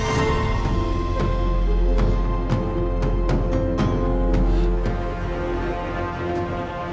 aku tak bisa